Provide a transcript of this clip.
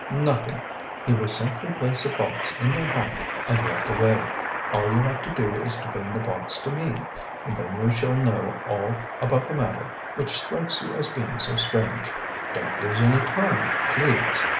"Nothing. He will simply place a box in your hand and walk away. All you have to do is to bring the box to me, and then you shall know all about the matter which strikes you as being so strange. Don't lose any time, please."